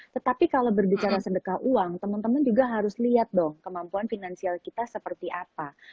tetapi kalau berbicara sedekah uang teman teman juga harus lihat dong kemampuan finansial kita seperti apa